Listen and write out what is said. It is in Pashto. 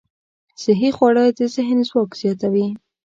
صحي خواړه د ذهن ځواک زیاتوي.